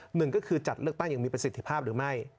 หนึ่งก็คือจัดเลือกตั้งอย่างมีประสิทธิภาพหรือไม่